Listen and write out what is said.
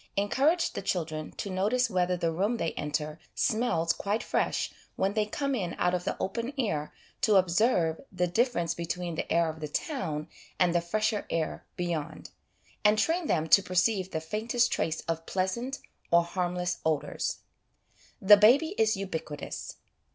Encourage the children to notice whether the room they enter ' smells ' quite fresh when they come in out of the open air, to observe the difference between the air of the town and the fresher air beyond ; and train them to perceive the faintest trace of pleasant or harmless odours. The Baby is Ubiquitous.